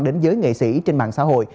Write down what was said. đến giới nghệ sĩ trên mạng xã hội